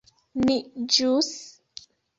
Ni ĵus...